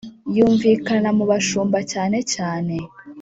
yumvikana mu bashumba cyane cyane